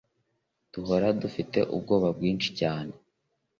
duhora dufite ubwoba bwishi cyane